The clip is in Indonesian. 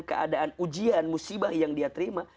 keadaan ujian musibah yang dia terima